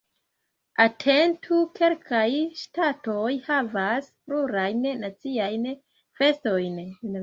Atentu: Kelkaj ŝtatoj havas plurajn naciajn festojn.